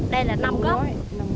đây là nông gốc